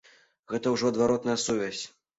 Гэта ўжо адваротная сувязь.